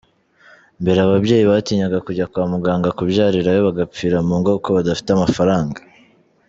Mbere ababyeyi batinyaga kujya kwa muganga kubyarirayo bagapfira mu ngo kuko badafite amafaranga".